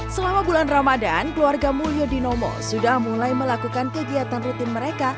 selama bulan ramadan keluarga mulyo dinomo sudah mulai melakukan kegiatan rutin mereka